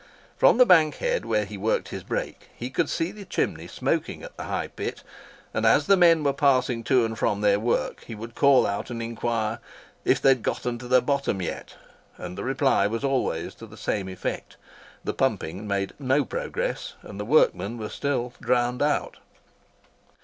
From the bank head where he worked his brake he could see the chimney smoking at the High Pit; and as the men were passing to and from their work, he would call out and inquire "if they had gotten to the bottom yet?" And the reply was always to the same effect—the pumping made no progress, and the workmen were still "drowned out."